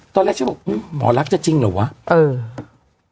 ตอนแรกฉันบอกหมอรักจะจริงเหรอวะเออ